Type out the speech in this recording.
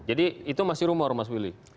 jadi itu masih rumor mas willy